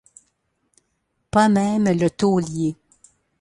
Pas même le Taulier.